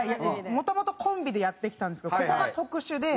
もともとコンビでやってきたんですけどここが特殊で。